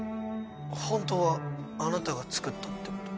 本当はあなたが作ったってこと？